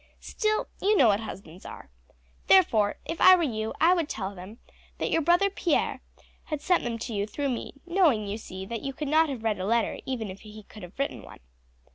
Still, you know what husbands are. Therefore, if I were you I would tell him that your brother Pierre had sent them to you through me, knowing, you see, that you could not have read a letter even if he could have written one."